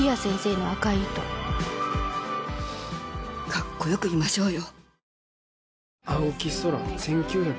カッコよくいましょうよ。